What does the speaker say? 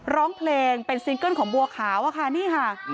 ร้องเพลงเป็นซิงเกิ้ลของบัวขาวอะค่ะนี่ค่ะ